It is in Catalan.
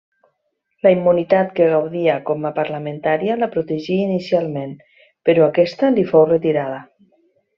La immunitat que gaudia com a parlamentària la protegí inicialment, però aquesta li fou retirada.